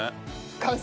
完成！